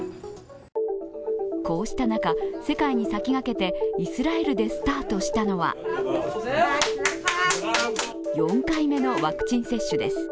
こうした中、世界に先駆けてイスラエルでスタートしたのは４回目のワクチン接種です。